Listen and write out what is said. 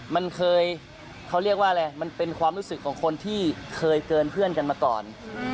มันเคยเขาเรียกว่าอะไรมันเป็นความรู้สึกของคนที่เคยเกินเพื่อนกันมาก่อน